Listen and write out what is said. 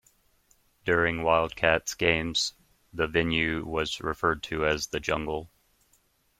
During Wildcats games the venue was referred to as "The Jungle".